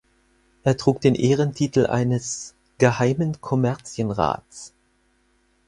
Er trug den Ehrentitel eines "Geheimen Kommerzienrats".